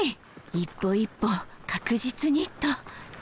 一歩一歩確実にっと。